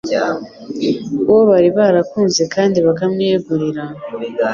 Uwo bari barakunze kandi bakamwiyegurira,